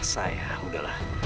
sayang udah lah